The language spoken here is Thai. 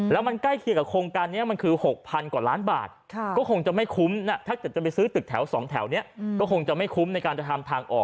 แล้วมันใกล้เคียงกับโครงการนี้มันคือ๖๐๐กว่าล้านบาทก็คงจะไม่คุ้มนะถ้าเกิดจะไปซื้อตึกแถว๒แถวนี้ก็คงจะไม่คุ้มในการจะทำทางออก